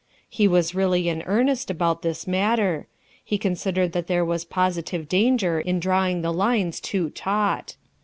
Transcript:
He was really in earnest about this matter. He considered that there was positive danger in drawing the lines, too taut.